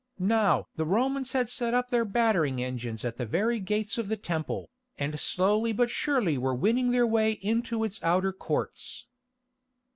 Now the Romans had set up their battering engines at the very gates of the Temple, and slowly but surely were winning their way into its outer courts.